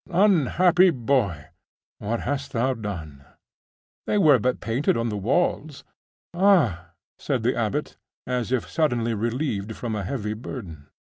Unhappy boy! What hast thou done?' 'They were but painted on the walls.' 'Ah!' said the abbot, as if suddenly relieved from a heavy burden.